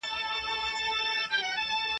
په سپي زوى تل پلار ښکنځلی وي.